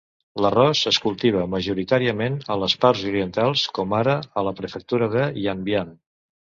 L'arròs es cultiva majoritàriament a les parts orientals, com ara a la prefectura de Yanbian.